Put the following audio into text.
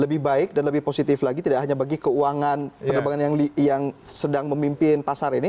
lebih baik dan lebih positif lagi tidak hanya bagi keuangan penerbangan yang sedang memimpin pasar ini